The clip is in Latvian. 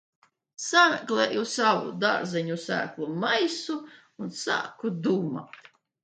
Sameklēju savu dārzeņu sēklu maisu un sāku domāt.